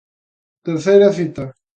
Terceira cita.